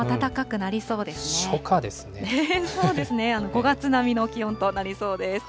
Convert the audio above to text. ５月並みの気温となりそうです。